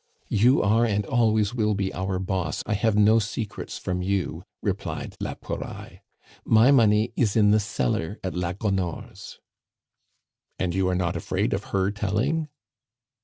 "You are, and you always will be, our boss; I have no secrets from you," replied la Pouraille. "My money is in the cellar at la Gonore's." "And you are not afraid of her telling?"